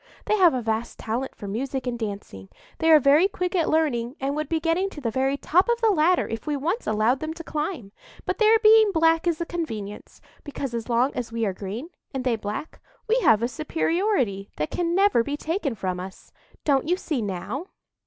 They have a vast talent for music and dancing; they are very quick at learning, and would be getting to the very top of the ladder if we once allowed them to climb. But their being black is a convenience; because, as long as we are green and they black, we have a superiority that can never be taken from us. Don't you see now?"